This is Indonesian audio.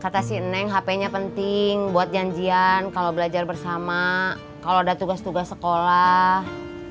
kata si neng hp nya penting buat janjian kalau belajar bersama kalau ada tugas tugas sekolah